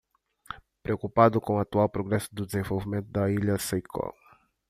Preocupado com o atual progresso do desenvolvimento da Ilha Seiko